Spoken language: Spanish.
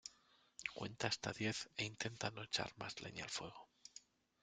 Cuenta hasta diez e intenta no echar más leña al fuego.